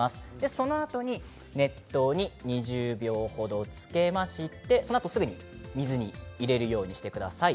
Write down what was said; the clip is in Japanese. そのあとに熱湯に２０秒程つけましてそのあと、すぐに水に入れるようにしてください。